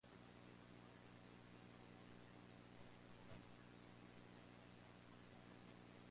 In addition, the missile was designed to be easier to take apart and service.